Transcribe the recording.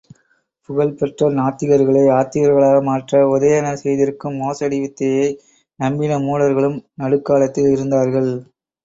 புகழ்பெற்ற நாத்திகர்களை ஆத்திகர்களாக மாற்ற உதயணர் செய்திருக்கும் மோசடி வித்தையை நம்பின மூடர்களும் நடுக்காலத்தில் இருந்தார்கள்.